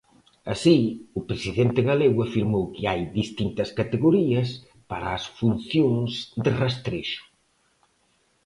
Así, o presidente galego afirmou que hai "distintas categorías" para as funcións de rastrexo.